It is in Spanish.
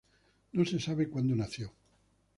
No se sabe cuándo nació.